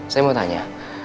saya mau tanya